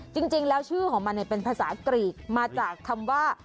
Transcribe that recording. จริงแล้วชื่อของมันเป็นภาษากรีกมาจากคำว่า